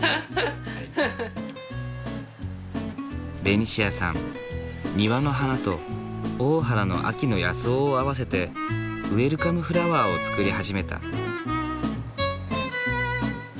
ベニシアさん庭の花と大原の秋の野草を合わせてウエルカムフラワーを作り始めた。